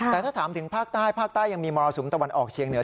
แต่ถ้าถามถึงภาคใต้ภาคใต้ยังมีมรสุมตะวันออกเชียงเหนือ